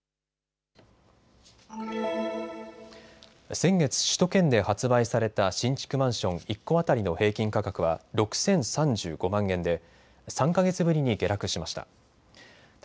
先月、首都圏で発売された新築マンション１戸当たりの平均価格は６０３５万円で３か月ぶりに下落しました。